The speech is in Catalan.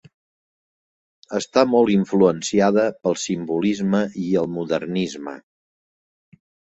Està molt influenciada pel simbolisme i el modernisme.